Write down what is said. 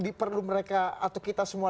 diperlukan mereka atau kita semua